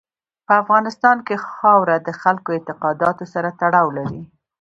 په افغانستان کې خاوره د خلکو اعتقاداتو سره تړاو لري.